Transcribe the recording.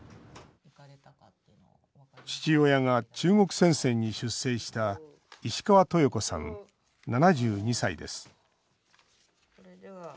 父親が中国戦線に出征した石川豊子さん、７２歳です